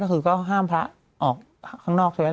ก็คือก็ห้ามพระออกข้างนอกใช่ไหม